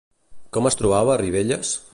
Com es trobava Rivelles?